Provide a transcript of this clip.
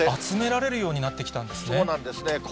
集められるようになってきたそうなんですね。